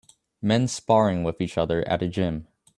Men sparing with each other at a gym